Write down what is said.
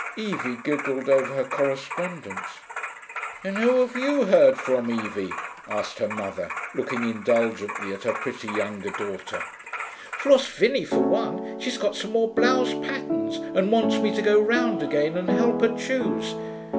Evie giggled over her correspondence. 'And who have you heard from, Evie?' asked her mother, looking indulgently at her pretty younger daughter. 'Floss Vinney, for one. She's got some more blouse patterns, and wants me to go round again and help her choose.